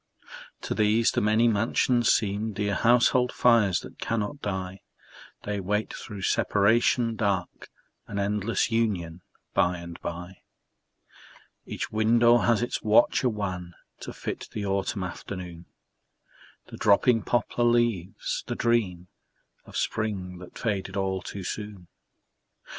To these the many mansions seem Dear household fires that cannot die; They wait through separation dark An endless union by and by. Each window has its watcher wan To fit the autumn afternoon, The dropping poplar leaves, the dream Of spring that faded all too soon.